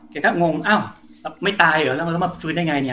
แกก็งงอ้าวไม่ตายเหรอแล้วมันก็มาฟื้นได้ไงเนี่ย